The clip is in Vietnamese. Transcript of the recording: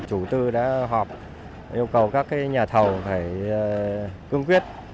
chủ tư đã họp yêu cầu các nhà thầu phải cương quyết